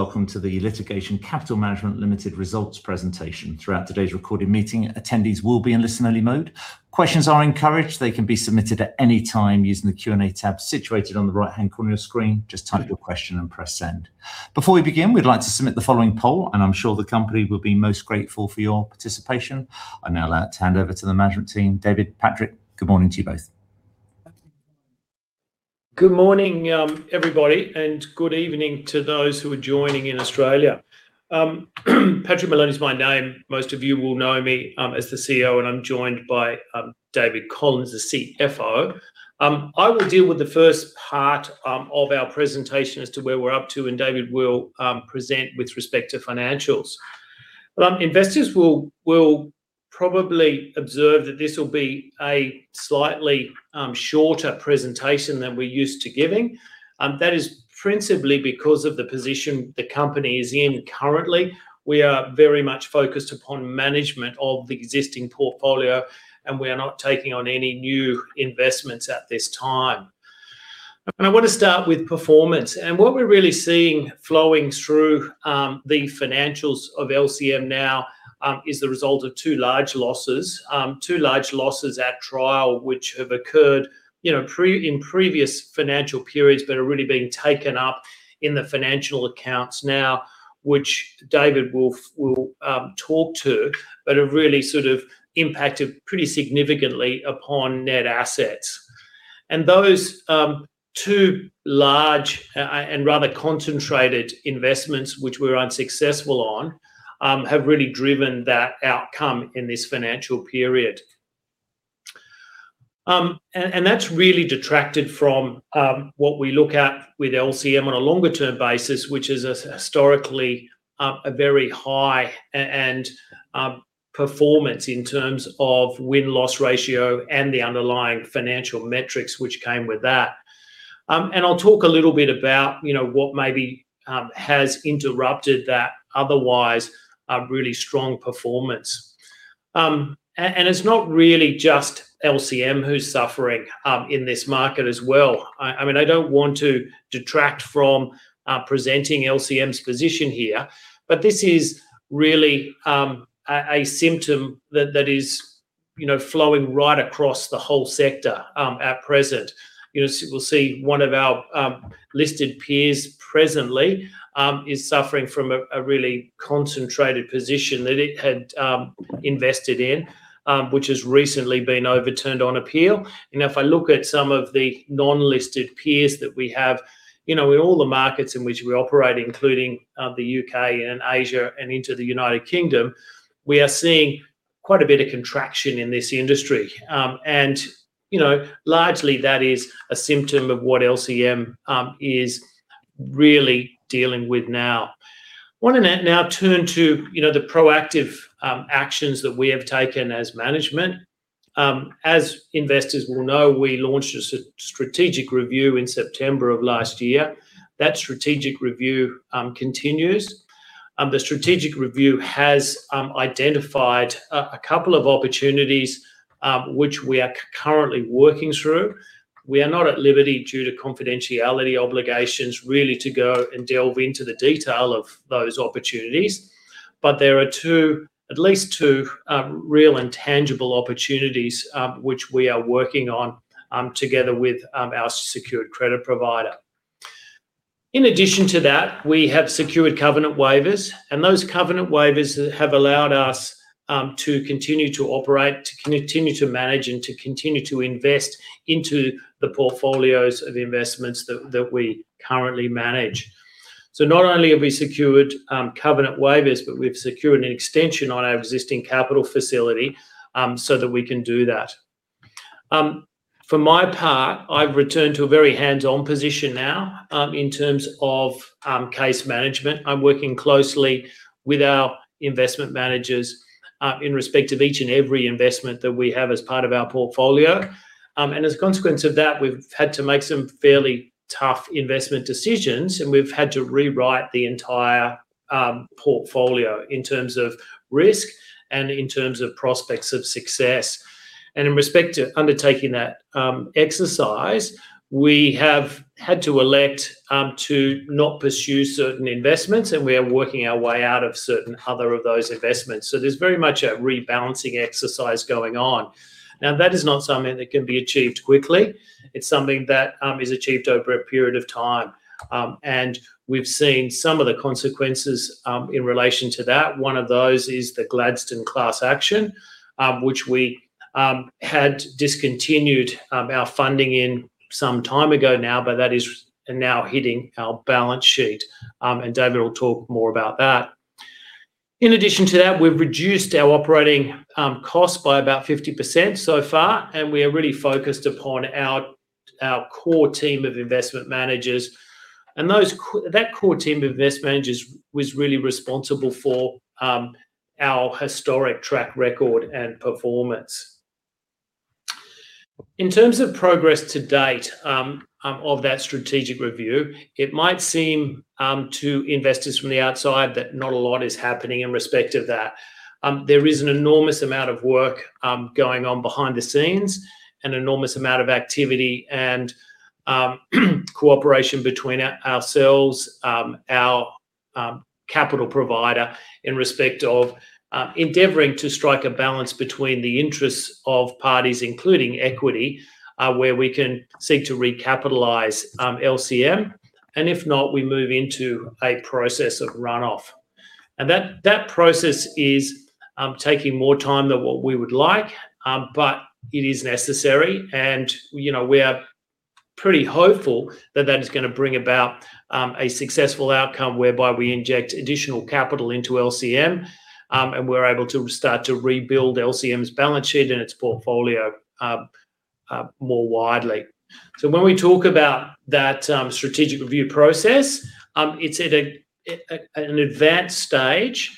Welcome to the Litigation Capital Management Limited results presentation. Throughout today's recorded meeting, attendees will be in listen-only mode. Questions are encouraged. They can be submitted at any time using the Q&A tab situated on the right-hand corner of your screen. Just type your question and press Send. Before we begin, we'd like to submit the following poll, and I'm sure the company will be most grateful for your participation. I'll now like to hand over to the management team. David, Patrick, good morning to you both. Good morning, everybody, and good evening to those who are joining in Australia. Patrick Moloney is my name. Most of you will know me as the CEO, and I'm joined by David Collins, the CFO. I will deal with the first part of our presentation as to where we're up to, and David will present with respect to financials. Investors will probably observe that this will be a slightly shorter presentation than we're used to giving. That is principally because of the position the company is in currently. We are very much focused upon management of the existing portfolio, and we are not taking on any new investments at this time. I want to start with performance. What we're really seeing flowing through the financials of LCM now is the result of two large losses at trial, which have occurred, you know, in previous financial periods but are really being taken up in the financial accounts now, which David will talk to, but have really sort of impacted pretty significantly upon net assets. Those two large and rather concentrated investments which we're unsuccessful on have really driven that outcome in this financial period. That's really detracted from what we look at with LCM on a longer term basis, which is a historically very high-end performance in terms of win-loss ratio and the underlying financial metrics which came with that. I'll talk a little bit about, you know, what maybe has interrupted that otherwise really strong performance. It's not really just LCM who's suffering in this market as well. I mean, I don't want to detract from presenting LCM's position here, but this is really a symptom that is, you know, flowing right across the whole sector at present. You know, we'll see one of our listed peers presently is suffering from a really concentrated position that it had invested in, which has recently been overturned on appeal. You know, if I look at some of the non-listed peers that we have, you know, in all the markets in which we operate, including the U.K. and Asia and in the United Kingdom, we are seeing quite a bit of contraction in this industry. You know, largely that is a symptom of what LCM is really dealing with now. I want to now turn to, you know, the proactive actions that we have taken as management. As investors will know, we launched a strategic review in September of last year. That strategic review continues. The strategic review has identified a couple of opportunities, which we are currently working through. We are not at liberty, due to confidentiality obligations, really to go and delve into the detail of those opportunities. There are two, at least two, real and tangible opportunities, which we are working on, together with our secured credit provider. In addition to that, we have secured covenant waivers, and those covenant waivers have allowed us to continue to operate, to continue to manage, and to continue to invest into the portfolios of investments that we currently manage. Not only have we secured covenant waivers, but we've secured an extension on our existing capital facility, so that we can do that. For my part, I've returned to a very hands-on position now, in terms of case management. I'm working closely with our investment managers in respect of each and every investment that we have as part of our portfolio. As a consequence of that, we've had to make some fairly tough investment decisions, and we've had to re-underwrite the entire portfolio in terms of risk and in terms of prospects of success. In respect to undertaking that exercise, we have had to elect to not pursue certain investments, and we are working our way out of certain other of those investments. There's very much a rebalancing exercise going on. Now, that is not something that can be achieved quickly. It's something that is achieved over a period of time. We've seen some of the consequences in relation to that. One of those is the Gladstone class action, which we had discontinued our funding in some time ago now, but that is now hitting our balance sheet. David will talk more about that. In addition to that, we've reduced our operating costs by about 50% so far, and we are really focused upon our core team of investment managers. That core team of investment managers was really responsible for our historic track record and performance. In terms of progress to date of that strategic review, it might seem to investors from the outside that not a lot is happening in respect of that. There is an enormous amount of work going on behind the scenes, an enormous amount of activity and cooperation between ourselves, our capital provider in respect of endeavoring to strike a balance between the interests of parties, including equity where we can seek to recapitalize LCM, and if not, we move into a process of runoff. That process is taking more time than what we would like, but it is necessary, and you know, we are pretty hopeful that that is gonna bring about a successful outcome whereby we inject additional capital into LCM, and we're able to start to rebuild LCM's balance sheet and its portfolio more widely. When we talk about that strategic review process, it's at an advanced stage.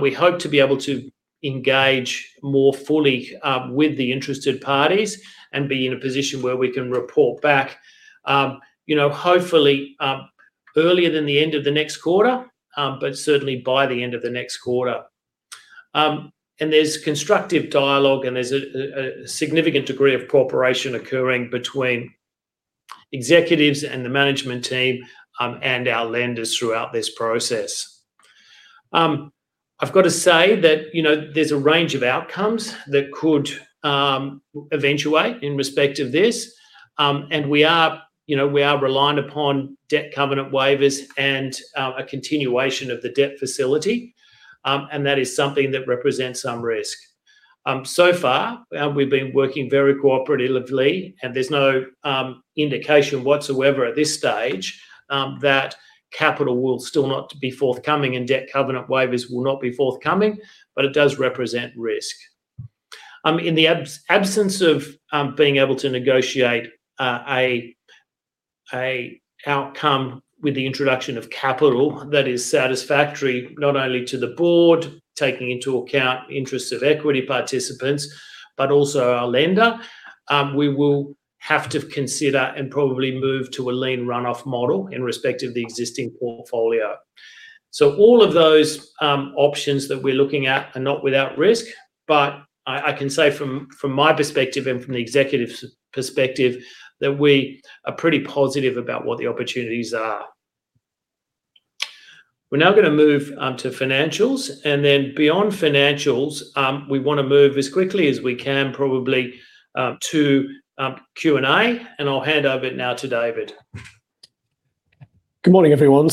We hope to be able to engage more fully with the interested parties and be in a position where we can report back, you know, hopefully earlier than the end of the next quarter, but certainly by the end of the next quarter. There's constructive dialogue and a significant degree of cooperation occurring between executives and the management team and our lenders throughout this process. I've got to say that, you know, there's a range of outcomes that could eventuate in respect of this, and we are, you know, reliant upon debt covenant waivers and a continuation of the debt facility, and that is something that represents some risk. So far, we've been working very cooperatively, and there's no indication whatsoever at this stage that capital will still not be forthcoming and debt covenant waivers will not be forthcoming, but it does represent risk. In the absence of being able to negotiate an outcome with the introduction of capital that is satisfactory not only to the board, taking into account interests of equity participants, but also our lender, we will have to consider and probably move to a lean runoff model in respect of the existing portfolio. All of those options that we're looking at are not without risk, but I can say from my perspective and from the executive's perspective that we are pretty positive about what the opportunities are. We're now gonna move to financials, and then beyond financials, we wanna move as quickly as we can probably to Q&A, and I'll hand over now to David. Good morning, everyone.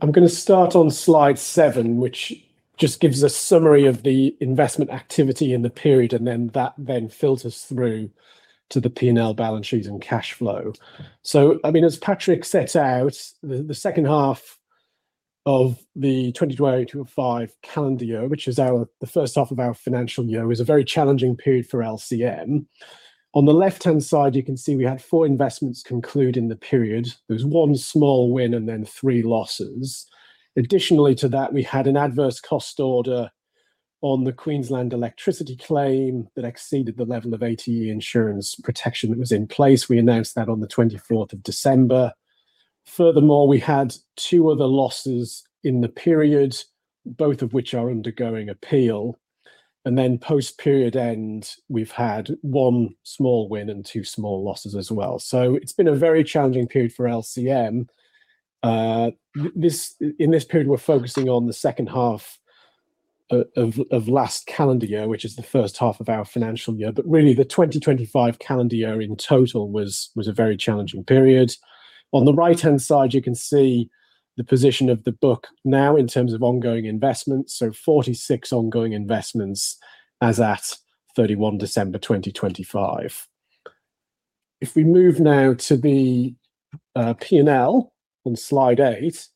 I'm gonna start on slide seven, which just gives a summary of the investment activity in the period, and then that filters through to the P&L balance sheets and cash flow. I mean, as Patrick set out, the second half of the 2025 calendar year, which is the first half of our financial year, was a very challenging period for LCM. On the left-hand side, you can see we had four investments conclude in the period. There's one small win and then three losses. Additionally to that, we had an adverse cost order on the Queensland electricity claim that exceeded the level of ATE insurance protection that was in place. We announced that on the 24th of December. Furthermore, we had two other losses in the period, both of which are undergoing appeal. Then post-period end, we've had one small win and two small losses as well. It's been a very challenging period for LCM. In this period, we're focusing on the second half of last calendar year, which is the first half of our financial year. Really, the 2025 calendar year in total was a very challenging period. On the right-hand side, you can see the position of the book now in terms of ongoing investments. 46 ongoing investments as at 31 December 2025. If we move now to the P&L on slide eight.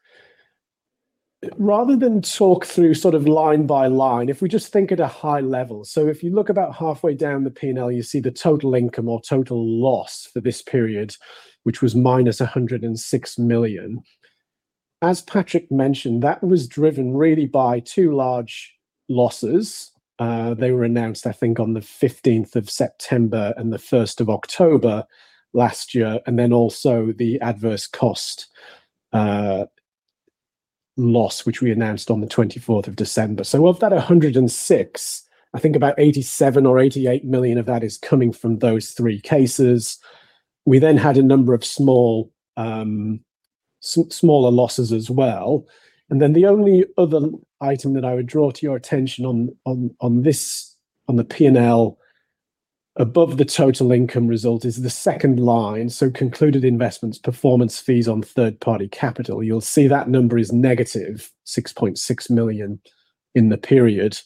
Rather than talk through sort of line by line, if we just think at a high level. If you look about halfway down the P&L, you see the total income or total loss for this period, which was -106 million. As Patrick mentioned, that was driven really by two large losses. They were announced, I think, on the 15th of September and the 1st of October last year. Also the adverse cost loss, which we announced on the 24th of December. Of that 106 million, I think about 87 million or 88 million of that is coming from those three cases. We had a number of small, smaller losses as well. The only other item that I would draw to your attention on the P&L above the total income result is the second line. Concluded investments, performance fees on third-party capital. You'll see that number is -6.6 million in the period.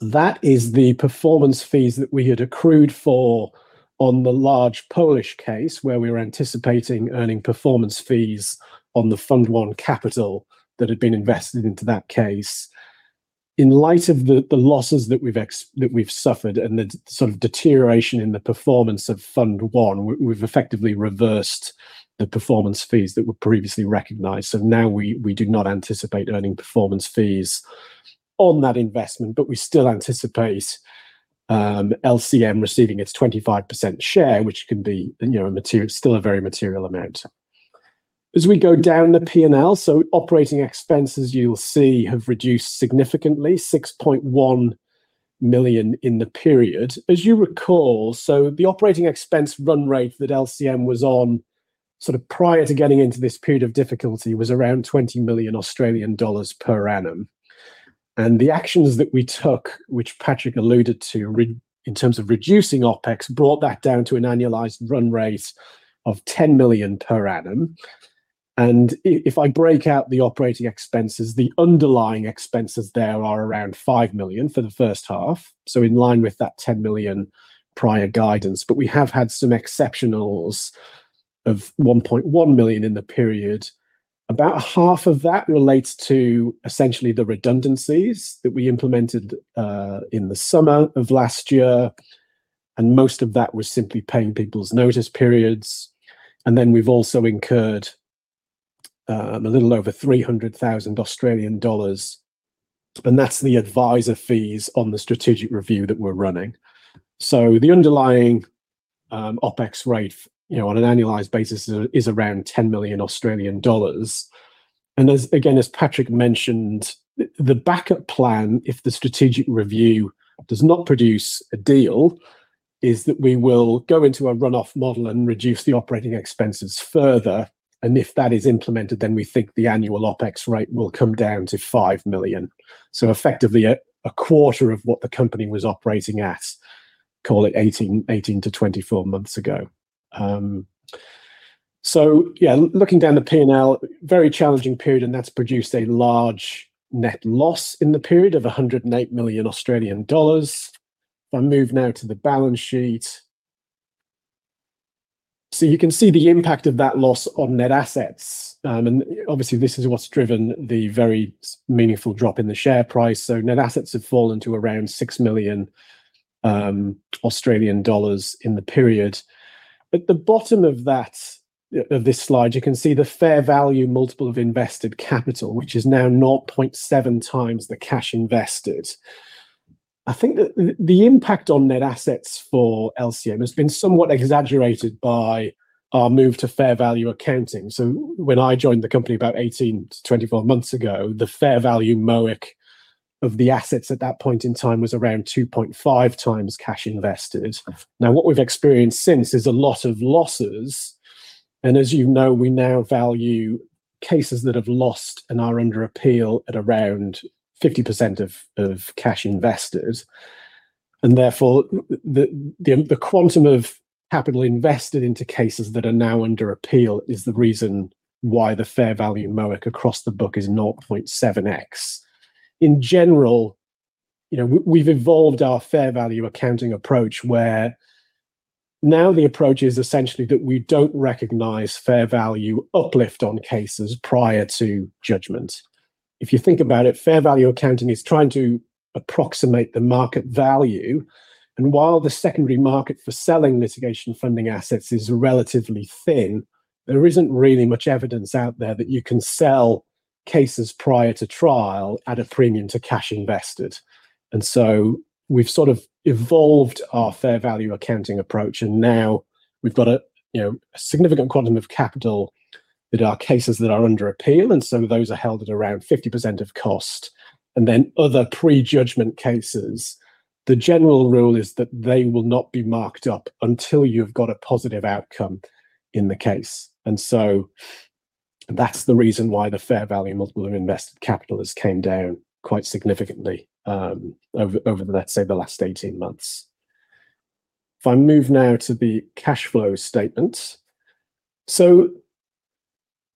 That is the performance fees that we had accrued for on the large Polish case, where we were anticipating earning performance fees on the Fund I capital that had been invested into that case. In light of the losses that we've suffered and the sort of deterioration in the performance of Fund I, we've effectively reversed the performance fees that were previously recognized. Now we do not anticipate earning performance fees on that investment, but we still anticipate LCM receiving its 25% share, which can be, you know, still a very material amount. As we go down the P&L, operating expenses you'll see have reduced significantly, 6.1 million in the period. As you recall, the operating expense run rate that LCM was on sort of prior to getting into this period of difficulty was around 20 million Australian dollars per annum. The actions that we took, which Patrick alluded to in terms of reducing OpEx, brought that down to an annualized run rate of AUD 10 million per annum. If I break out the operating expenses, the underlying expenses there are around 5 million for the first half. In line with that 10 million prior guidance. We have had some exceptionals of 1.1 million in the period. About half of that relates to essentially the redundancies that we implemented in the summer of last year, and most of that was simply paying people's notice periods. We've also incurred a little over 300,000 Australian dollars, and that's the advisor fees on the strategic review that we're running. The underlying OpEx rate, you know, on an annualized basis is around 10 million Australian dollars. As, again, as Patrick mentioned, the backup plan, if the strategic review does not produce a deal, is that we will go into a run off model and reduce the operating expenses further. If that is implemented, then we think the annual OpEx rate will come down to 5 million. Effectively a quarter of what the company was operating at, call it 18-24 months ago. Yeah, looking down the P&L, very challenging period, and that's produced a large net loss in the period of 108 million Australian dollars. If I move now to the balance sheet. You can see the impact of that loss on net assets. Obviously this is what's driven the very meaningful drop in the share price. Net assets have fallen to around 6 million Australian dollars in the period. At the bottom of that, of this slide, you can see the fair value multiple of invested capital, which is now 0.7x the cash invested. I think the impact on net assets for LCM has been somewhat exaggerated by our move to fair value accounting. When I joined the company about 18-24 months ago, the fair value MOIC of the assets at that point in time was around 2.5x cash invested. Now, what we've experienced since is a lot of losses, and as you know, we now value cases that have lost and are under appeal at around 50% of cash invested. Therefore the quantum of capital invested into cases that are now under appeal is the reason why the fair value MOIC across the book is 0.7x. In general, you know, we've evolved our fair value accounting approach where now the approach is essentially that we don't recognize fair value uplift on cases prior to judgment. If you think about it, fair value accounting is trying to approximate the market value, and while the secondary market for selling litigation funding assets is relatively thin, there isn't really much evidence out there that you can sell cases prior to trial at a premium to cash invested. We've sort of evolved our fair value accounting approach, and now we've got a, you know, a significant quantum of capital that are cases that are under appeal, and those are held at around 50% of cost. Then other pre-judgment cases, the general rule is that they will not be marked up until you've got a positive outcome in the case. That's the reason why the fair value multiple of invested capital has came down quite significantly, over the, let's say, the last 18 months. If I move now to the cash flow statement.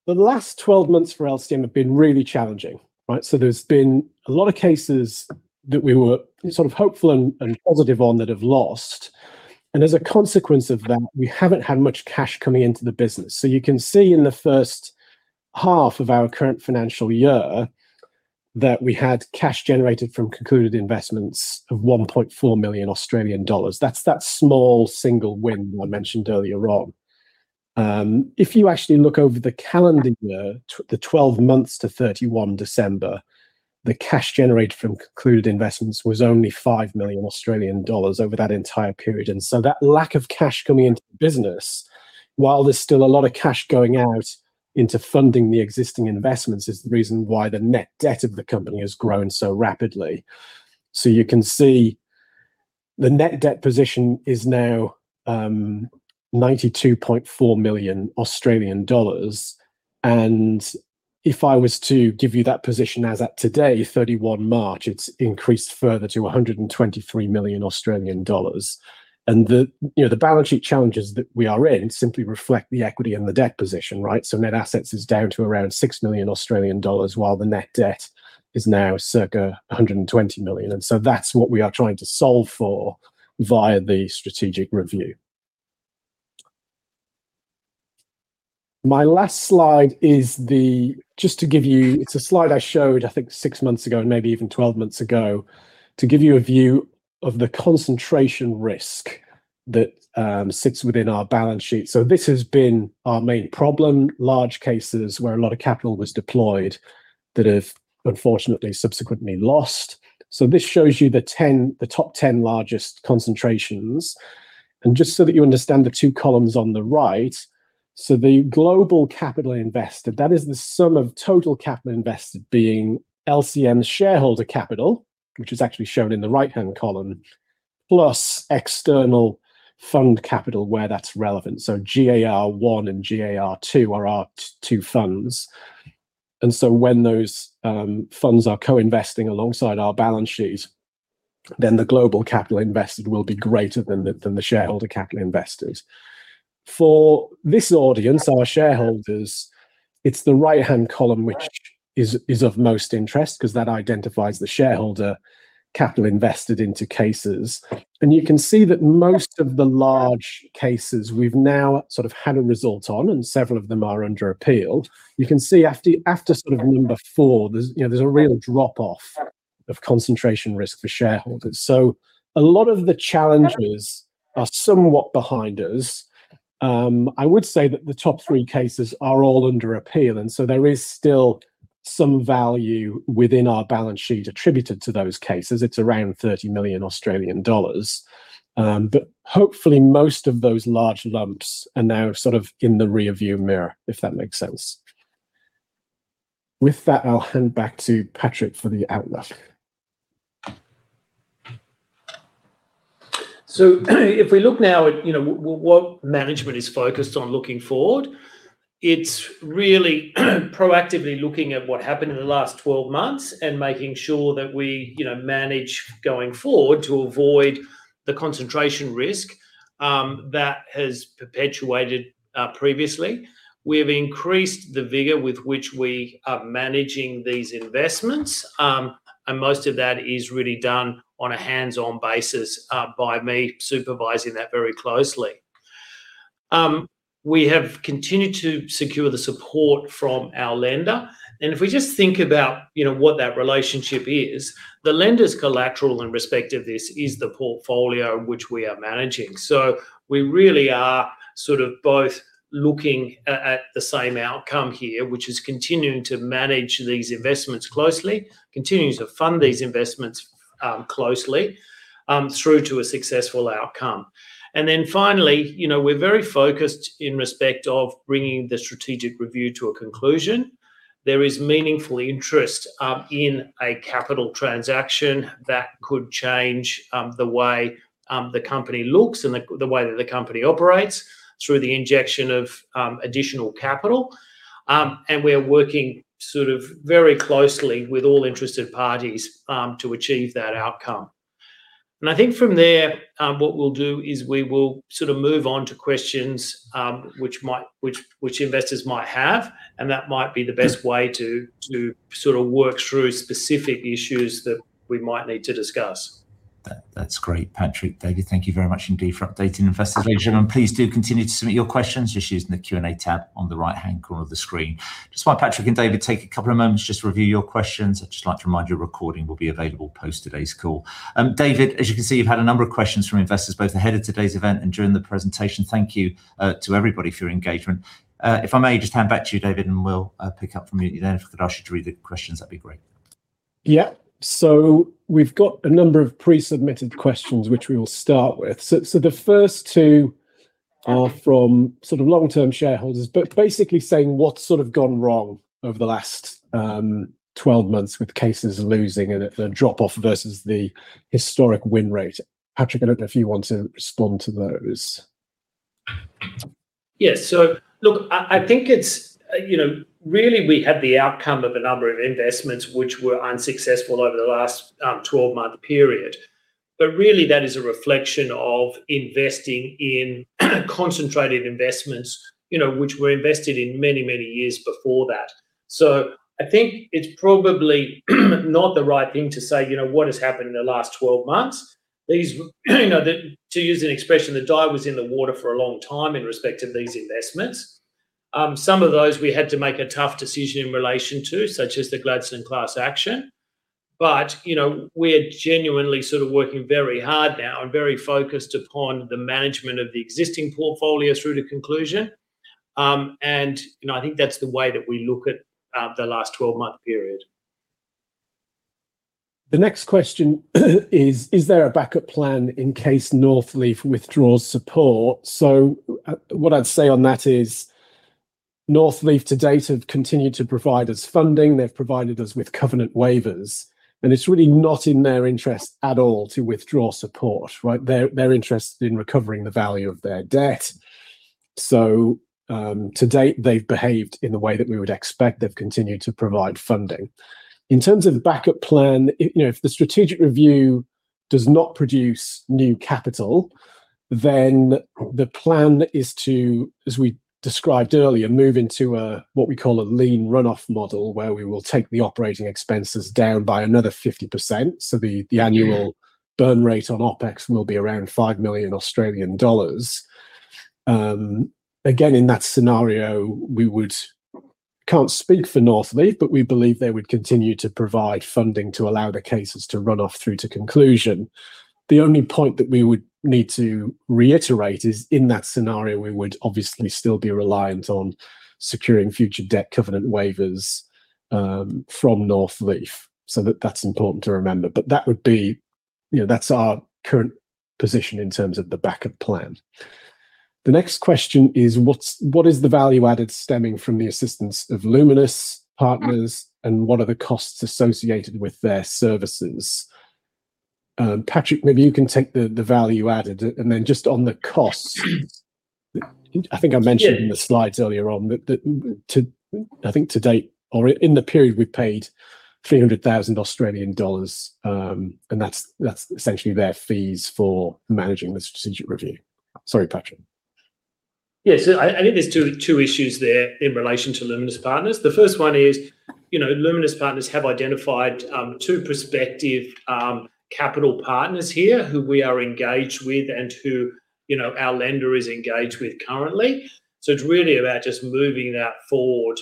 The last 12 months for LCM have been really challenging, right? There's been a lot of cases that we were sort of hopeful and positive on that have lost. As a consequence of that, we haven't had much cash coming into the business. You can see in the first half of our current financial year that we had cash generated from concluded investments of 1.4 million Australian dollars. That's that small single win I mentioned earlier on. If you actually look over the calendar year, the twelve months to 31 December, the cash generated from concluded investments was only 5 million Australian dollars over that entire period. That lack of cash coming into the business, while there's still a lot of cash going out into funding the existing investments, is the reason why the net debt of the company has grown so rapidly. You can see the net debt position is now 92.4 million Australian dollars. If I was to give you that position as at today, 31 March, it's increased further to 123 million Australian dollars. The, you know, the balance sheet challenges that we are in simply reflect the equity and the debt position, right? Net assets is down to around 6 million Australian dollars, while the net debt is now circa 120 million. That's what we are trying to solve for via the strategic review. My last slide is the just to give you. It's a slide I showed, I think, six months ago and maybe even twelve months ago to give you a view of the concentration risk that sits within our balance sheet. This has been our main problem, large cases where a lot of capital was deployed that have unfortunately subsequently lost. This shows you the top 10 largest concentrations. Just so that you understand the two columns on the right. The global capital invested, that is the sum of total capital invested being LCM shareholder capital, which is actually shown in the right-hand column, plus external fund capital where that's relevant. GAR 1 and GAR 2 are our two funds. When those funds are co-investing alongside our balance sheet, then the global capital invested will be greater than the shareholder capital invested. For this audience, our shareholders, it's the right-hand column which is of most interest because that identifies the shareholder capital invested into cases. You can see that most of the large cases we've now sort of had a result on, and several of them are under appeal. You can see that after sort of number four, there's a real drop-off of concentration risk for shareholders. A lot of the challenges are somewhat behind us. I would say that the top three cases are all under appeal, and so there is still some value within our balance sheet attributed to those cases. It's around 30 million Australian dollars. Hopefully most of those large lumps are now sort of in the rear view mirror, if that makes sense. With that, I'll hand back to Patrick for the outlook. If we look now at, you know, what management is focused on looking forward, it's really proactively looking at what happened in the last 12 months and making sure that we, you know, manage going forward to avoid the concentration risk that has perpetuated previously. We've increased the vigor with which we are managing these investments. Most of that is really done on a hands-on basis by me supervising that very closely. We have continued to secure the support from our lender. If we just think about, you know, what that relationship is, the lender's collateral in respect of this is the portfolio which we are managing. We really are sort of both looking at the same outcome here, which is continuing to manage these investments closely, continuing to fund these investments closely through to a successful outcome. Finally, you know, we're very focused in respect of bringing the strategic review to a conclusion. There is meaningful interest in a capital transaction that could change the way the company looks and the way that the company operates through the injection of additional capital. We're working sort of very closely with all interested parties to achieve that outcome. I think from there, what we'll do is we will sort of move on to questions which investors might have, and that might be the best way to sort of work through specific issues that we might need to discuss. That's great, Patrick. David, thank you very much indeed for updating investors on this agenda. Please do continue to submit your questions just using the Q&A tab on the right-hand corner of the screen. Just while Patrick and David take a couple of moments just to review your questions, I'd just like to remind you that a recording will be available post today's call. David, as you can see, you've had a number of questions from investors both ahead of today's event and during the presentation. Thank you to everybody for your engagement. If I may just hand back to you, David, and we'll pick up from you then. If I could ask you to read the questions, that'd be great. We've got a number of pre-submitted questions which we will start with. The first two are from sort of long-term shareholders, basically saying what's sort of gone wrong over the last 12 months with cases losing and the drop-off versus the historic win rate. Patrick, I don't know if you want to respond to those. Yes. Look, I think it's, you know, really we had the outcome of a number of investments which were unsuccessful over the last 12-month period. Really that is a reflection of investing in concentrated investments, you know, which were invested in many, many years before that. I think it's probably not the right thing to say, you know, what has happened in the last 12 months. These. You know, to use an expression, the die was cast for a long time in respect of these investments. Some of those we had to make a tough decision in relation to, such as the Gladstone class action. You know, we're genuinely sort of working very hard now and very focused upon the management of the existing portfolio through to conclusion. You know, I think that's the way that we look at the last 12-month period. The next question is: Is there a backup plan in case Northleaf withdraws support? What I'd say on that is Northleaf to date have continued to provide us funding. They've provided us with covenant waivers, and it's really not in their interest at all to withdraw support, right? They're interested in recovering the value of their debt. To date, they've behaved in the way that we would expect. They've continued to provide funding. In terms of backup plan, you know, if the strategic review does not produce new capital, then the plan is to, as we described earlier, move into a, what we call a lean runoff model, where we will take the operating expenses down by another 50%. The annual burn rate on OpEx will be around AUD 5 million. Again, in that scenario, we would, can't speak for Northleaf, but we believe they would continue to provide funding to allow the cases to run off through to conclusion. The only point that we would need to reiterate is in that scenario, we would obviously still be reliant on securing future debt covenant waivers from Northleaf. That's important to remember. That would be, you know, that's our current position in terms of the backup plan. The next question is. What is the value added stemming from the assistance of Luminis Partners and what are the costs associated with their services? Patrick, maybe you can take the value added, and then just on the costs. I think I mentioned in the slides earlier on that to date or in the period, we've paid 300,000 Australian dollars, and that's essentially their fees for managing the strategic review. Sorry, Patrick. Yes. I think there's two issues there in relation to Luminis Partners. The first one is, you know, Luminis Partners have identified two prospective capital partners here who we are engaged with and who, you know, our lender is engaged with currently. It's really about just moving that forward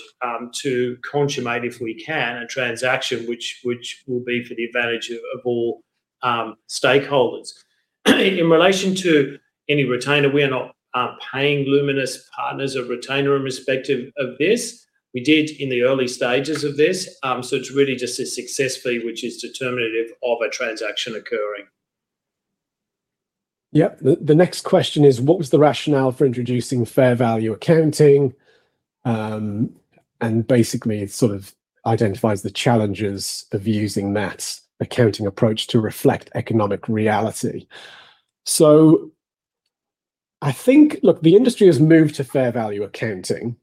to consummate, if we can, a transaction which will be for the advantage of all stakeholders. In relation to any retainer, we aren't paying Luminis a retainer in respect of this. We did in the early stages of this. It's really just a success fee which is determinative of a transaction occurring. Yep. The next question is: What was the rationale for introducing fair value accounting, and basically it sort of identifies the challenges of using that accounting approach to reflect economic reality. I think. Look, the industry has moved to fair value accounting,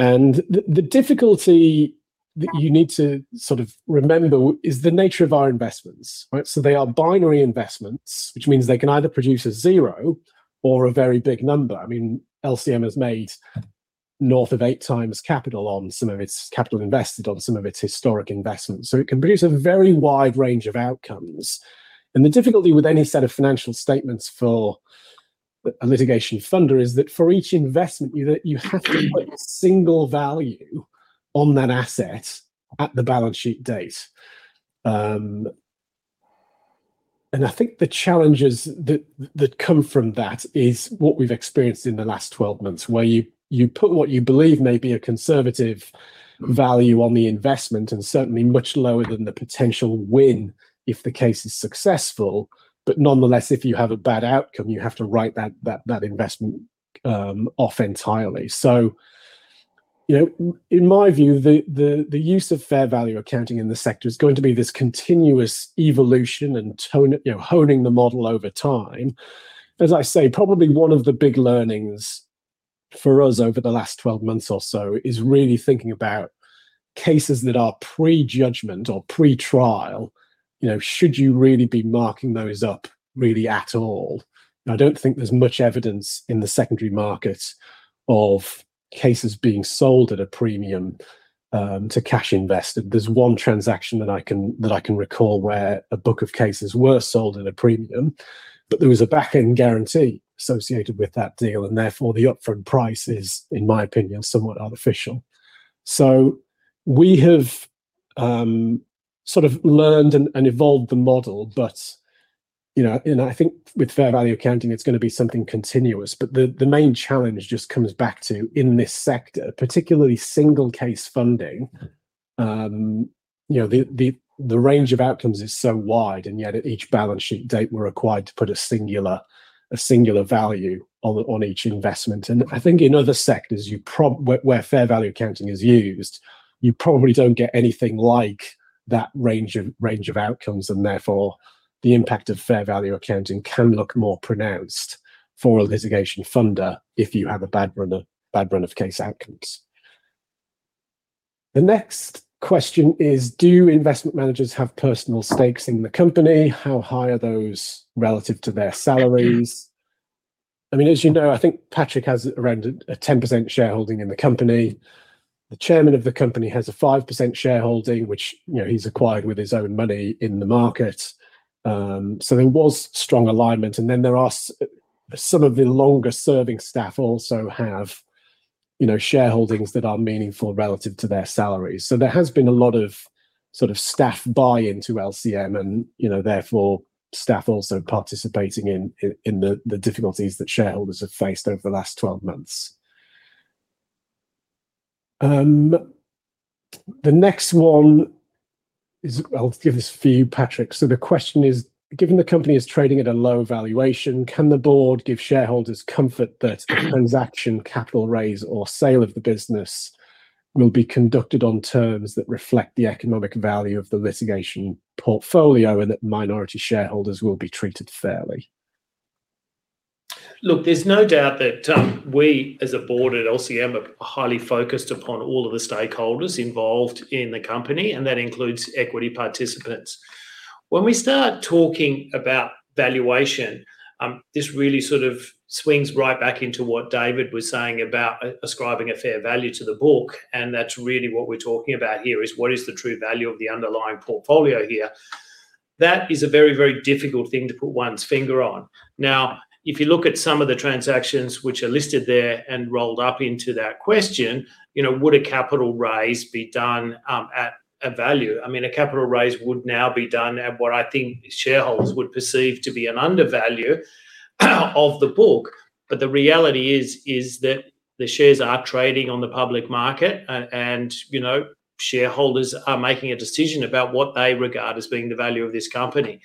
and the difficulty that you need to sort of remember is the nature of our investments, right? They are binary investments, which means they can either produce a zero or a very big number. I mean, LCM has made north of 8x capital on some of its capital invested, on some of its historic investments. It can produce a very wide range of outcomes. The difficulty with any set of financial statements for a litigation funder is that for each investment, you have to put a single value on that asset at the balance sheet date. I think the challenges that come from that is what we've experienced in the last 12 months, where you put what you believe may be a conservative value on the investment, and certainly much lower than the potential win if the case is successful. Nonetheless, if you have a bad outcome, you have to write that investment off entirely. You know, in my view, the use of fair value accounting in the sector is going to be this continuous evolution and toning, you know, honing the model over time. As I say, probably one of the big learnings for us over the last 12 months or so is really thinking about cases that are pre-judgment or pre-trial, you know, should you really be marking those up really at all. I don't think there's much evidence in the secondary market of cases being sold at a premium to cash invested. There's one transaction that I can recall where a book of cases were sold at a premium, but there was a back-end guarantee associated with that deal, and therefore the upfront price is, in my opinion, somewhat artificial. We have sort of learned and evolved the model but, you know, and I think with fair value accounting it's gonna be something continuous. The main challenge just comes back to, in this sector, particularly single case funding, you know, the range of outcomes is so wide, and yet at each balance sheet date, we're required to put a singular value on each investment. I think in other sectors, you probably don't get anything like that range of outcomes, and therefore the impact of fair value accounting can look more pronounced for a litigation funder if you have a bad run of case outcomes. The next question is: Do investment managers have personal stakes in the company? How high are those relative to their salaries? I mean, as you know, I think Patrick has around a 10% shareholding in the company. The chairman of the company has a 5% shareholding, which, you know, he's acquired with his own money in the market. So there was strong alignment. Then there are some of the longer serving staff also have, you know, shareholdings that are meaningful relative to their salaries. There has been a lot of sort of staff buy-in to LCM and, you know, therefore staff also participating in the difficulties that shareholders have faced over the last 12 months. The next one is, I'll give this for you, Patrick. The question is: Given the company is trading at a low valuation, can the board give shareholders comfort that transaction capital raise or sale of the business will be conducted on terms that reflect the economic value of the litigation portfolio and that minority shareholders will be treated fairly? Look, there's no doubt that we as a board at LCM are highly focused upon all of the stakeholders involved in the company, and that includes equity participants. When we start talking about valuation, this really sort of swings right back into what David was saying about ascribing a fair value to the book, and that's really what we're talking about here, is what is the true value of the underlying portfolio here. That is a very, very difficult thing to put one's finger on. Now, if you look at some of the transactions which are listed there and rolled up into that question, you know, would a capital raise be done at a value? I mean, a capital raise would now be done at what I think shareholders would perceive to be an undervalue of the book. The reality is that the shares are trading on the public market and, you know, shareholders are making a decision about what they regard as being the value of this company.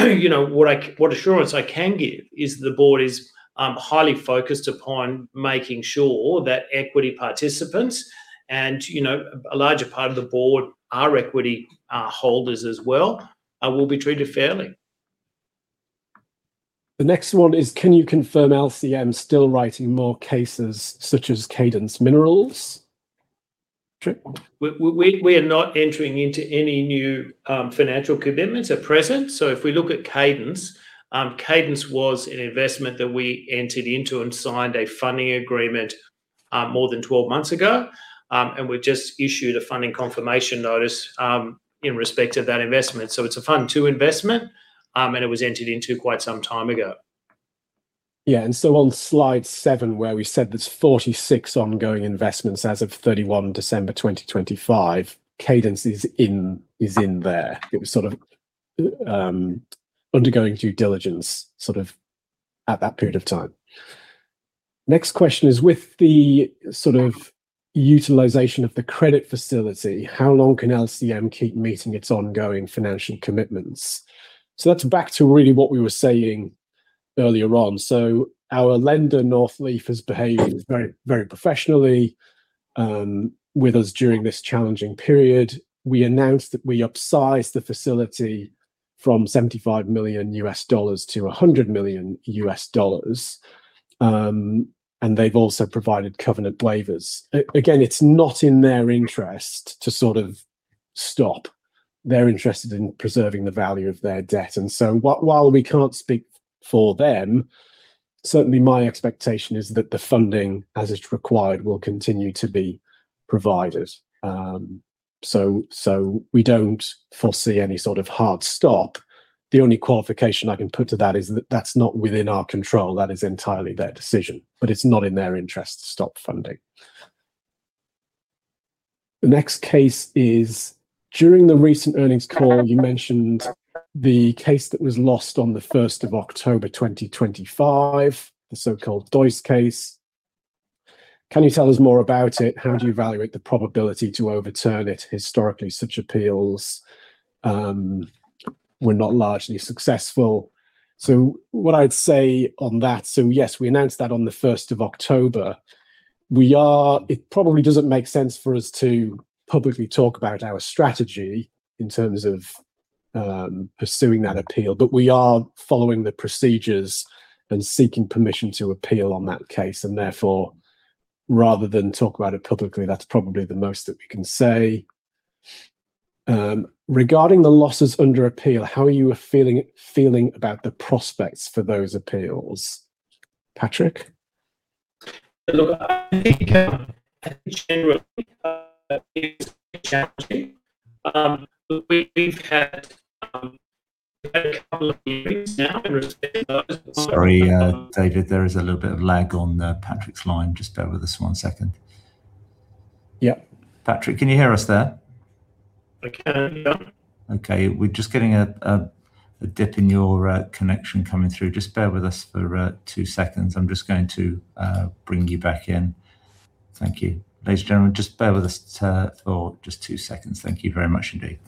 You know, what assurance I can give is the board is highly focused upon making sure that equity participants and, you know, a larger part of the board are equity holders as well, will be treated fairly. The next one is, can you confirm LCM still writing more cases such as Cadence Minerals? Patrick. We're not entering into any new financial commitments at present. If we look at Cadence was an investment that we entered into and signed a funding agreement more than 12 months ago. We've just issued a funding confirmation notice in respect of that investment. It's a fund two investment, and it was entered into quite some time ago. Yeah. On slide seven, where we said there's 46 ongoing investments as of 31 December 2025, Cadence is in there. It was sort of undergoing due diligence, sort of at that period of time. Next question is, with the sort of utilization of the credit facility, how long can LCM keep meeting its ongoing financial commitments? That's back to really what we were saying earlier on. Our lender, Northleaf, has behaved very, very professionally with us during this challenging period. We announced that we upsized the facility from $75 million to $100 million, and they've also provided covenant waivers. Again, it's not in their interest to sort of stop. They're interested in preserving the value of their debt. While we can't speak for them, certainly my expectation is that the funding, as it's required, will continue to be provided. So we don't foresee any sort of hard stop. The only qualification I can put to that is that that's not within our control. That is entirely their decision, but it's not in their interest to stop funding. The next case is, during the recent earnings call, you mentioned the case that was lost on the 1st of October 2025, the so-called Polish case. Can you tell us more about it? How do you evaluate the probability to overturn it? Historically, such appeals were not largely successful. So what I'd say on that, yes, we announced that on the first of October. It probably doesn't make sense for us to publicly talk about our strategy in terms of pursuing that appeal. We are following the procedures and seeking permission to appeal on that case. Therefore, rather than talk about it publicly, that's probably the most that we can say. Regarding the losses under appeal, how are you feeling about the prospects for those appeals? Patrick. Look, I think generally, it's challenging. We've had a couple of meetings now in respect of those. Sorry, David, there is a little bit of lag on Patrick's line. Just bear with us one second. Yeah. Patrick, can you hear us there? I can, yeah. Okay. We're just getting a dip in your connection coming through. Just bear with us for two seconds. I'm just going to bring you back in. Thank you. Ladies and gentlemen, just bear with us for just two seconds. Thank you very much indeed.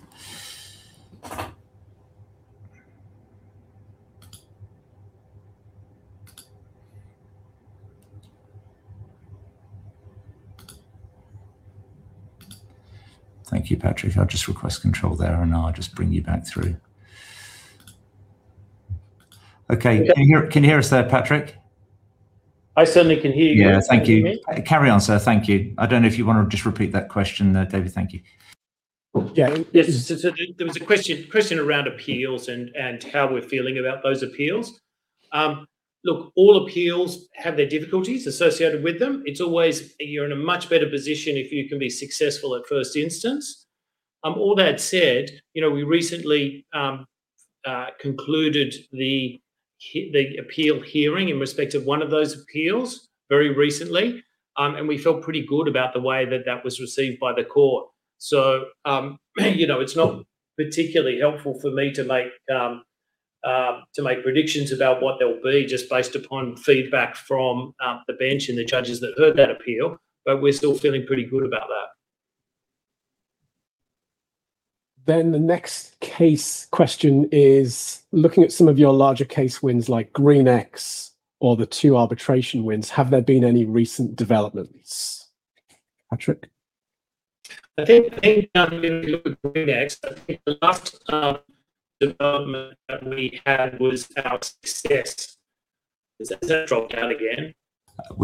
Thank you, Patrick. I'll just request control there, and I'll just bring you back through. Okay. Can you hear us there, Patrick? I certainly can hear you. Yeah. Thank you. Can you hear me? Carry on, sir. Thank you. I don't know if you wanna just repeat that question, David. Thank you. Yeah. There was a question around appeals and how we're feeling about those appeals. Look, all appeals have their difficulties associated with them. It's always you're in a much better position if you can be successful at first instance. All that said, you know, we recently concluded the appeal hearing in respect of one of those appeals very recently. We felt pretty good about the way that was received by the court. You know, it's not particularly helpful for me to make predictions about what they'll be just based upon feedback from the bench and the judges that heard that appeal. We're still feeling pretty good about that. The next case question is, looking at some of your larger case wins like GreenX or the two arbitration wins, have there been any recent developments? Patrick. I think when we look at GreenX, I think the last development that we had was our success. Has that dropped out again? I'm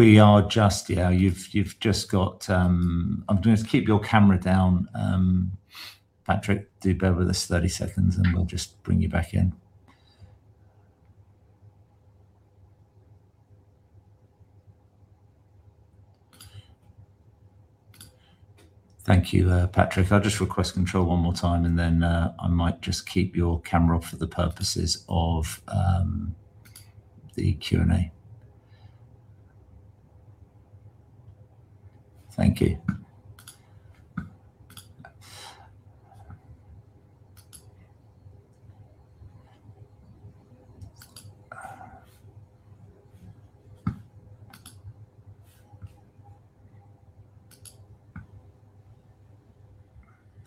gonna keep your camera down, Patrick. Do bear with us 30 seconds, and we'll just bring you back in. Thank you, Patrick. I'll just request control one more time, and then I might just keep your camera off for the purposes of the Q&A. Thank you.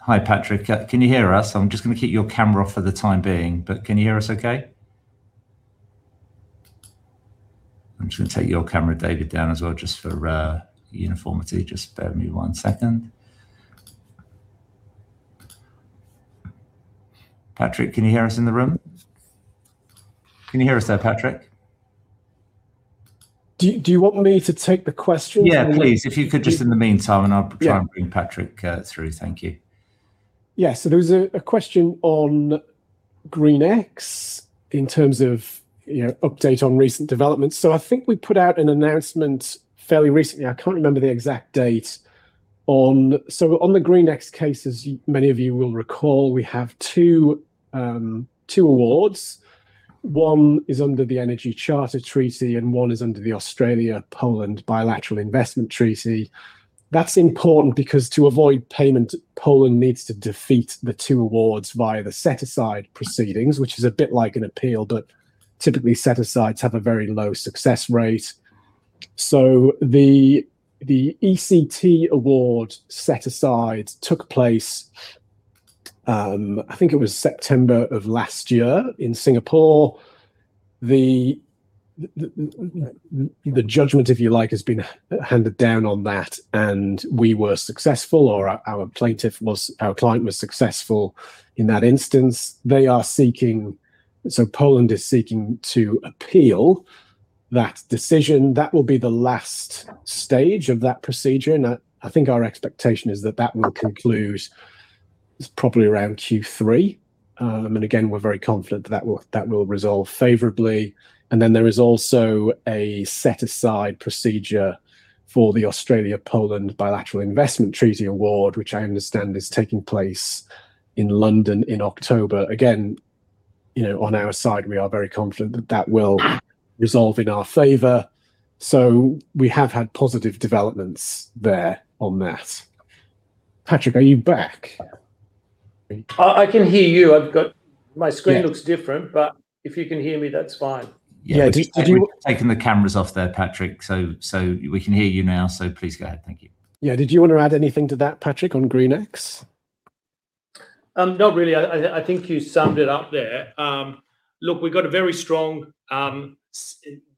Hi, Patrick. Can you hear us? I'm just gonna keep your camera off for the time being, but can you hear us okay? I'm just gonna take your camera, David, down as well, just for uniformity. Just bear with me one second. Patrick, can you hear us in the room? Can you hear us there, Patrick? Do you want me to take the question? Yeah, please. If you could just in the meantime. Yeah. I'll try and bring Patrick through. Thank you. Yeah. There was a question on GreenX in terms of, you know, update on recent developments. I think we put out an announcement fairly recently, I can't remember the exact date. On the GreenX case, as many of you will recall, we have two awards. One is under the Energy Charter Treaty, and one is under the Australia-Poland Bilateral Investment Treaty. That's important because to avoid payment, Poland needs to defeat the two awards via the set-aside proceedings, which is a bit like an appeal, but typically set-asides have a very low success rate. The ECT award set-aside took place, I think it was September of last year in Singapore. The you know, the judgment, if you like, has been handed down on that, and we were successful or our plaintiff was. Our client was successful in that instance. Poland is seeking to appeal that decision. That will be the last stage of that procedure. I think our expectation is that that will conclude probably around Q3. We're very confident that will resolve favorably. There is also a set-aside procedure for the Australia-Poland Bilateral Investment Treaty award, which I understand is taking place in London in October. Again, you know, on our side, we are very confident that that will resolve in our favor. We have had positive developments there on that. Patrick, are you back? I can hear you. Yeah. My screen looks different, but if you can hear me, that's fine. Yeah. Did you want. We've taken the cameras off there, Patrick, so we can hear you now, so please go ahead. Thank you. Yeah. Did you wanna add anything to that, Patrick, on GreenX? Not really. I think you summed it up there. Look, we've got a very strong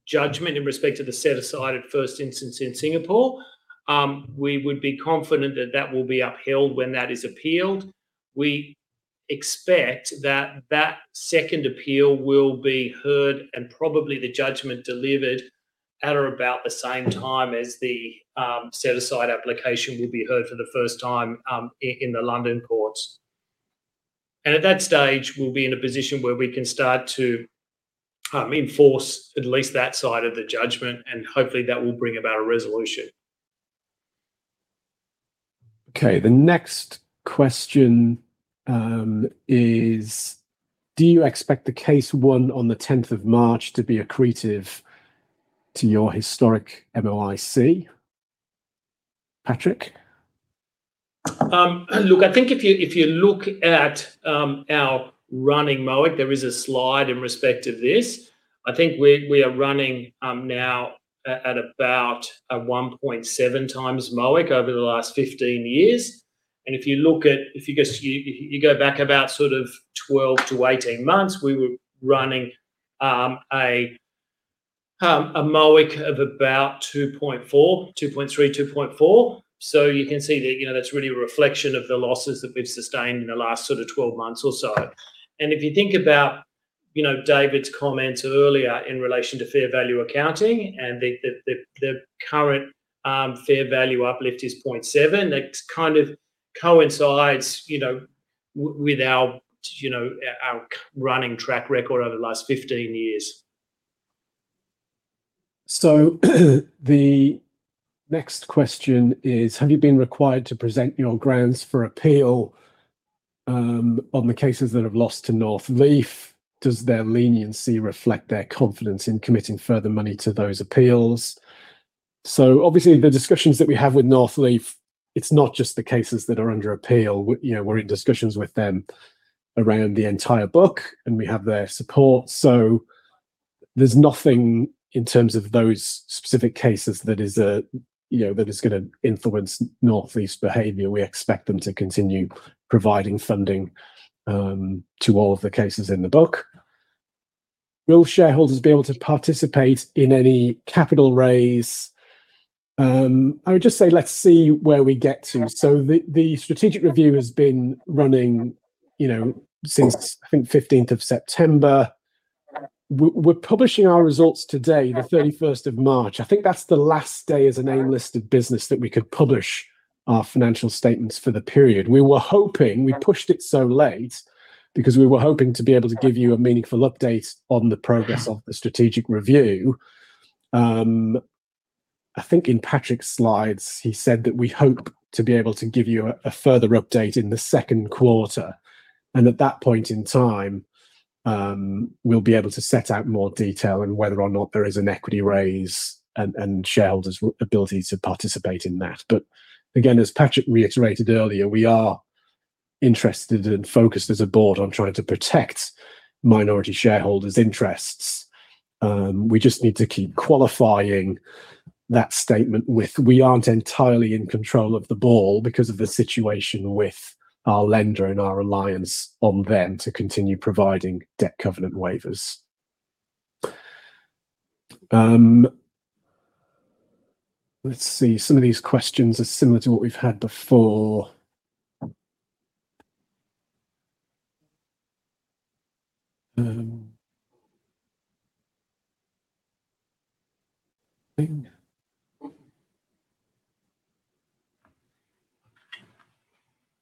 judgment in respect to the set-aside at first instance in Singapore. We would be confident that that will be upheld when that is appealed. We expect that that second appeal will be heard, and probably the judgment delivered at or about the same time as the set-aside application will be heard for the first time in the London courts. At that stage, we'll be in a position where we can start to enforce at least that side of the judgment, and hopefully that will bring about a resolution. Okay. The next question is: Do you expect the case won on the 10th of March to be accretive to your historic MOIC? Patrick? Look, I think if you look at our running MOIC, there is a slide in respect to this. I think we are running now at about 1.7x MOIC over the last 15 years. If you look at, if you just go back about sort of 12-18 months, we were running a MOIC of about 2.4x, 2.3x, 2.4x. You can see that, you know, that's really a reflection of the losses that we've sustained in the last sort of 12 months or so. If you think about, you know, David's comments earlier in relation to fair value accounting and the current fair value uplift is 0.7, it kind of coincides, you know, with our running track record over the last 15 years. The next question is: Have you been required to present your grounds for appeal on the cases that have lost to Northleaf? Does their leniency reflect their confidence in committing further money to those appeals? Obviously, the discussions that we have with Northleaf, it's not just the cases that are under appeal. We, you know, we're in discussions with them around the entire book, and we have their support. There's nothing in terms of those specific cases that is, you know, that is gonna influence Northleaf's behavior. We expect them to continue providing funding to all of the cases in the book. Will shareholders be able to participate in any capital raise? I would just say let's see where we get to. The strategic review has been running, you know, since, I think, fifteenth of September. We're publishing our results today, the 31st of March. I think that's the last day as an AIM-listed business that we could publish our financial statements for the period. We were hoping to be able to give you a meaningful update on the progress of the strategic review. We pushed it so late because we were hoping to be able to give you a meaningful update on the progress of the strategic review. I think in Patrick's slides, he said that we hope to be able to give you a further update in the second quarter. At that point in time, we'll be able to set out more detail on whether or not there is an equity raise and shareholders' ability to participate in that. But again, as Patrick reiterated earlier, we are interested and focused as a board on trying to protect minority shareholders' interests. We just need to keep qualifying that statement with we aren't entirely in control of the ball because of the situation with our lender and our reliance on them to continue providing debt covenant waivers. Let's see. Some of these questions are similar to what we've had before.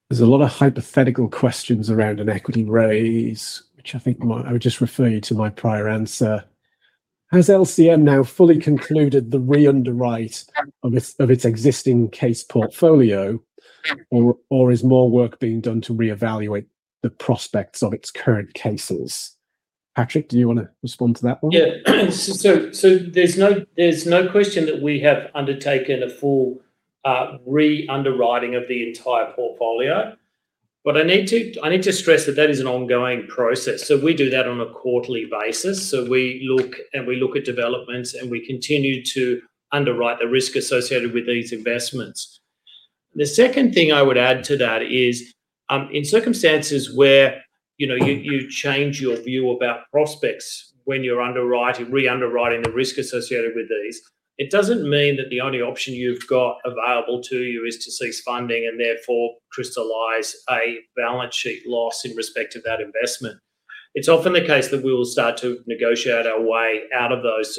There's a lot of hypothetical questions around an equity raise, which I would just refer you to my prior answer. Has LCM now fully concluded the re-underwrite of its existing case portfolio or is more work being done to reevaluate the prospects of its current cases? Patrick, do you wanna respond to that one? There's no question that we have undertaken a full re-underwriting of the entire portfolio. I need to stress that is an ongoing process. We do that on a quarterly basis. We look at developments, and we continue to underwrite the risk associated with these investments. The second thing I would add to that is, in circumstances where, you know, you change your view about prospects when you're underwriting, re-underwriting the risk associated with these, it doesn't mean that the only option you've got available to you is to cease funding and therefore crystallize a balance sheet loss in respect to that investment. It's often the case that we will start to negotiate our way out of those.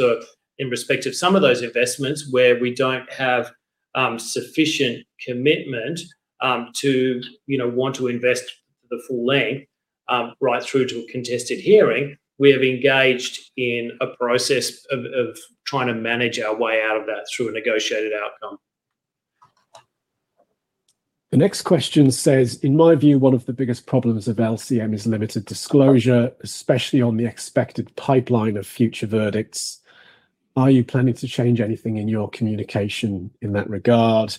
In respect of some of those investments where we don't have sufficient commitment to, you know, want to invest the full length right through to a contested hearing, we have engaged in a process of trying to manage our way out of that through a negotiated outcome. The next question says, "In my view, one of the biggest problems of LCM is limited disclosure, especially on the expected pipeline of future verdicts. Are you planning to change anything in your communication in that regard?"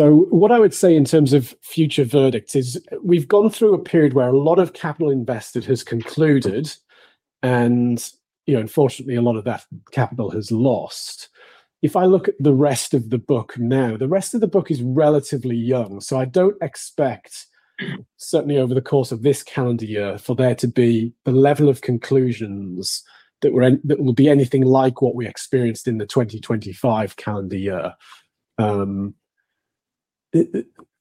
What I would say in terms of future verdicts is we've gone through a period where a lot of capital invested has concluded and, you know, unfortunately a lot of that capital has lost. If I look at the rest of the book now, the rest of the book is relatively young, so I don't expect certainly over the course of this calendar year for there to be the level of conclusions that will be anything like what we experienced in the 2025 calendar year.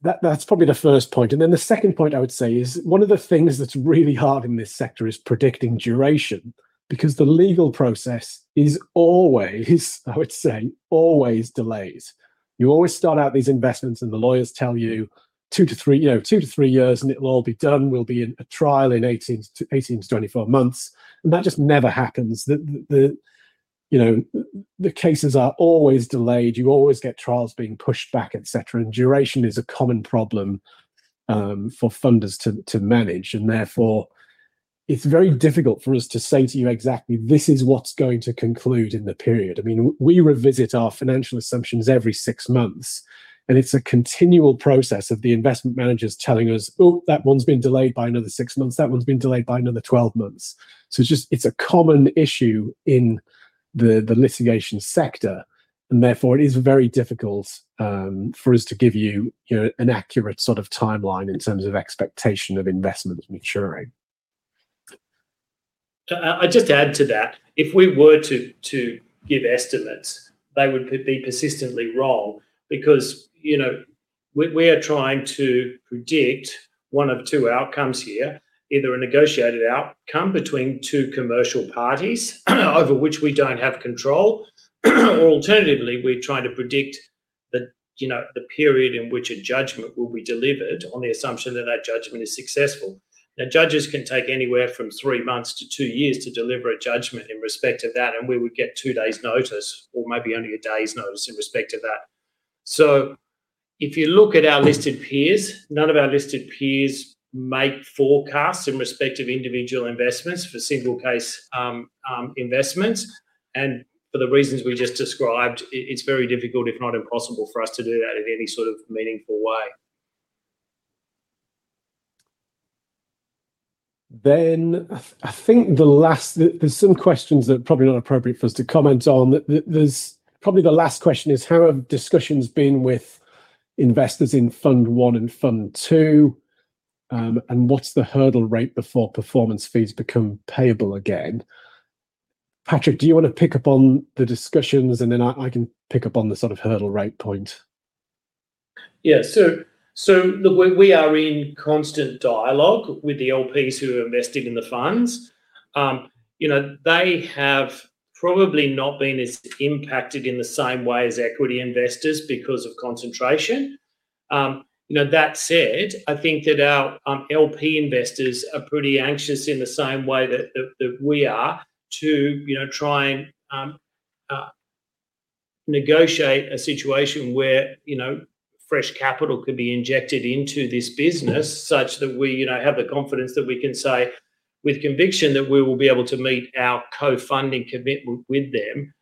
That's probably the first point. The second point I would say is one of the things that's really hard in this sector is predicting duration, because the legal process is always, I would say, always delays. You always start out these investments and the lawyers tell you 2-3, you know, 2-3 years and it'll all be done. We'll be in a trial in 18-24 months. That just never happens. The you know, the cases are always delayed. You always get trials being pushed back, etc. Duration is a common problem for funders to manage. Therefore it's very difficult for us to say to you exactly this is what's going to conclude in the period. I mean, we revisit our financial assumptions every six months, and it's a continual process of the investment managers telling us, "Oh, that one's been delayed by another six months. That one's been delayed by another 12 months." It's just a common issue in the litigation sector, and therefore it is very difficult for us to give you know, an accurate sort of timeline in terms of expectation of investments maturing. I'd just add to that, if we were to give estimates, they would be persistently wrong because, you know, we are trying to predict one of two outcomes here, either a negotiated outcome between two commercial parties over which we don't have control, or alternatively, we're trying to predict the, you know, the period in which a judgment will be delivered on the assumption that that judgment is successful. Now, judges can take anywhere from three months to two years to deliver a judgment in respect of that, and we would get two days' notice or maybe only a day's notice in respect of that. So if you look at our listed peers, none of our listed peers make forecasts in respect of individual investments for single case investments. For the reasons we just described, it's very difficult if not impossible for us to do that in any sort of meaningful way. I think there's some questions that are probably not appropriate for us to comment on. Probably the last question is, how have discussions been with investors in Fund I and Fund II, and what's the hurdle rate before performance fees become payable again? Patrick, do you wanna pick up on the discussions and then I can pick up on the sort of hurdle rate point? Look, we are in constant dialogue with the LPs who are investing in the funds. You know, they have probably not been as impacted in the same way as equity investors because of concentration. You know, that said, I think that our LP investors are pretty anxious in the same way that we are to you know try and negotiate a situation where you know fresh capital could be injected into this business such that we you know have the confidence that we can say with conviction that we will be able to meet our co-funding commitment with them.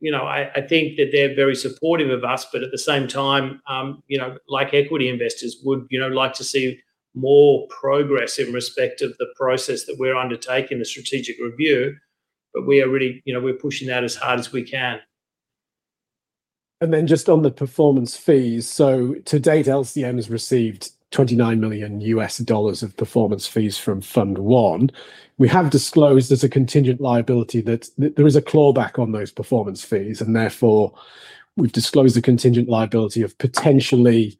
You know, I think that they're very supportive of us, but at the same time you know like equity investors would you know like to see more progress in respect of the process that we're undertaking, the strategic review. We are really you know we're pushing that as hard as we can. Just on the performance fees. To date, LCM has received $29 million of performance fees from Fund I. We have disclosed there's a contingent liability that there is a clawback on those performance fees, and therefore we've disclosed a contingent liability of potentially,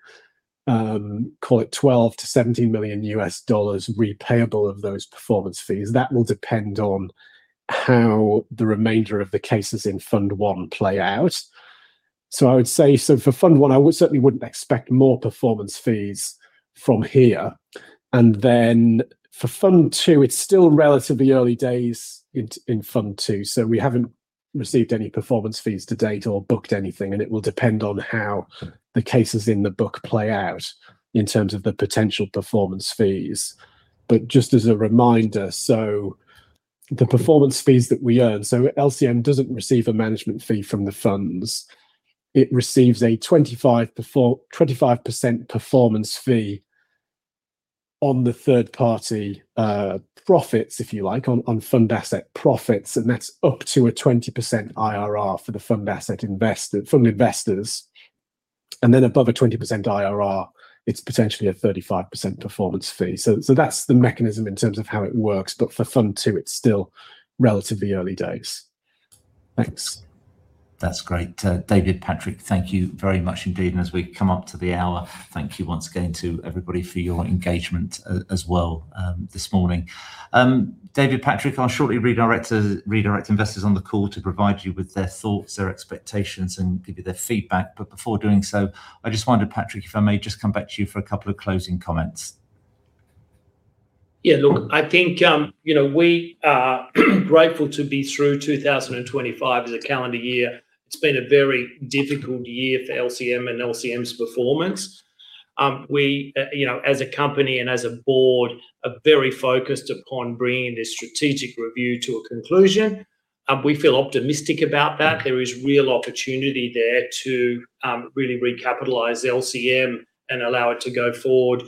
call it $12 million-$17 million repayable of those performance fees. That will depend on how the remainder of the cases in Fund I play out. I would say, for Fund I, I would certainly wouldn't expect more performance fees from here. For Fund II, it's still relatively early days in Fund II, so we haven't received any performance fees to date or booked anything. It will depend on how the cases in the book play out in terms of the potential performance fees. Just as a reminder, the performance fees that we earn. LCM doesn't receive a management fee from the funds. It receives a 25% performance fee on the third party profits, if you like, on fund asset profits, and that's up to a 20% IRR for the fund investors. Above a 20% IRR, it's potentially a 35% performance fee. That's the mechanism in terms of how it works. For Fund II, it's still relatively early days. Thanks. That's great. David, Patrick, thank you very much indeed. As we come up to the hour, thank you once again to everybody for your engagement as well this morning. David, Patrick, I'll shortly redirect investors on the call to provide you with their thoughts, their expectations, and give you their feedback. Before doing so, I just wondered, Patrick, if I may just come back to you for a couple of closing comments. Yeah, look, I think, you know, we are grateful to be through 2025 as a calendar year. It's been a very difficult year for LCM and LCM's performance. We, you know, as a company and as a board are very focused upon bringing this strategic review to a conclusion, and we feel optimistic about that. There is real opportunity there to really recapitalize LCM and allow it to go forward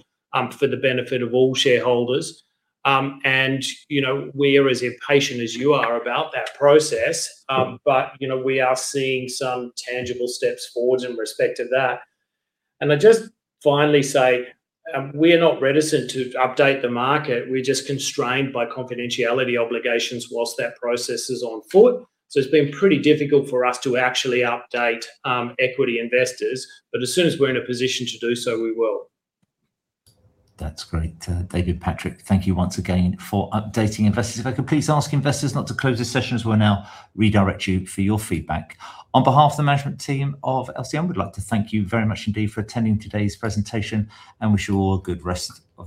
for the benefit of all shareholders. You know, we're as impatient as you are about that process, but you know, we are seeing some tangible steps forward in respect of that. I just finally say, we're not reticent to update the market. We're just constrained by confidentiality obligations whilst that process is on foot. It's been pretty difficult for us to actually update equity investors. As soon as we're in a position to do so, we will. That's great. David Patrick, thank you once again for updating investors. If I could please ask investors not to close this session, as we'll now redirect you for your feedback. On behalf of the management team of LCM, we'd like to thank you very much indeed for attending today's presentation and wish you all a good rest of